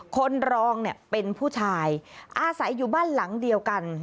คนรองเป็นผู้ชายอาศัยอยู่บ้านหลังเดียวกัน